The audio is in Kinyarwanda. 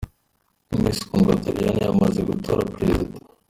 Miss Kundwa Doriane yamaze gutora Perezida.